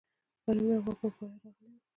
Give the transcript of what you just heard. پرون مې غوا پر غوايه راغلې وه